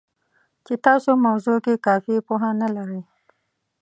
چې تاسې موضوع کې کافي پوهه نه لرئ